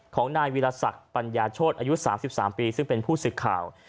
ของนายวิรสักษณ์ปัญญาโชษอายุสามสิบสามปีซึ่งเป็นผู้ศึกข่าว